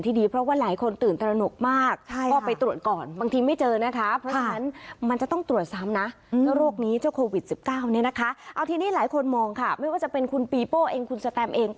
ทีนี้หลายคนมองค่ะไม่ว่าจะเป็นคุณปีโป้เองคุณสแตมเอง